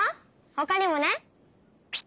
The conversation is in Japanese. ほかにもね